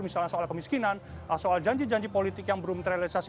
misalnya soal kemiskinan soal janji janji politik yang belum terrealisasi